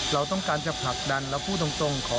เราก็รู้ในช่วงนั้นว่าจะไม่ใช่คุณพิธาณ